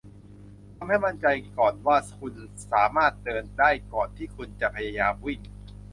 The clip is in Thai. ทำให้มั่นใจก่อนว่าคุณสามารถเดินได้ก่อนที่คุณจะพยายามวิ่ง